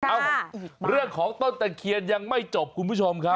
เอ้าเรื่องของต้นตะเคียนยังไม่จบคุณผู้ชมครับ